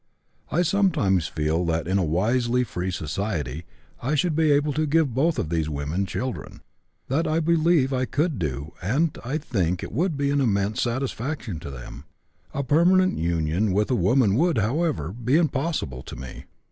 I sometimes feel that in a wisely free society I should be able to give both of these women children. That I believe I could do, and I think it would be an immense satisfaction to them. A permanent union with a woman would, however, be impossible to me.